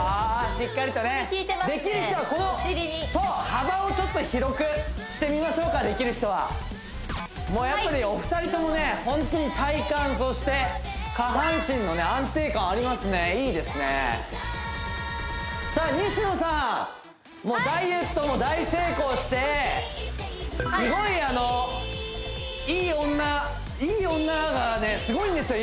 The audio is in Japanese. しっかりとねできる人はこの幅をちょっと広くしてみましょうかできる人はやっぱりお二人ともねホントに体幹そして下半身の安定感ありますねいいですねさあ西野さんダイエットも大成功してすごいあのいい女いい女がすごいんですよ